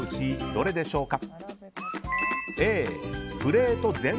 どれでしょうか。